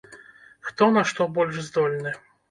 Хто на што больш здольны.